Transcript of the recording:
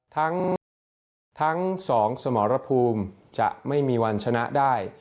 ทั้ง๒สมรภูมิจะไม่มีวันชนะได้